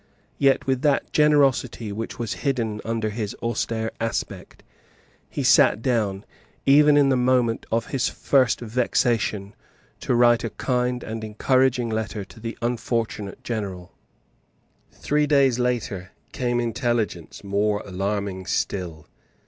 Yet, with that generosity which was hidden under his austere aspect, he sate down, even in the moment of his first vexation, to write a kind and encouraging letter to the unfortunate general, Three days later came intelligence more alarming still.